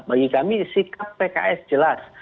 bagi kami sikap pks jelas